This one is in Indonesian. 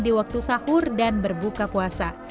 di waktu sahur dan berbuka puasa